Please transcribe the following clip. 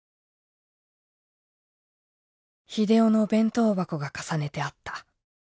「秀雄の弁当箱が重ねてあった。